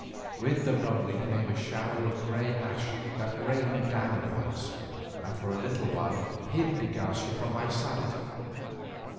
With the rumbling came a shower of grey ashes that rained down on us, and for a little while hid de Garcia from my sight.